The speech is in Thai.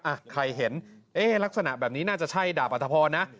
ใครเห็นเอ๊ะลักษณะแบบนี้น่าจะใช่ดาบอัธพรนะ